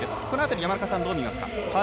この辺りは、山中さんどう見ますか？